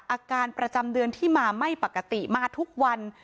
อาการประจำเดือนที่มาไม่ปกติมาทุกวัน